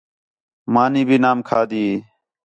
مانی بھی نام کھادی